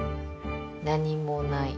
何もない。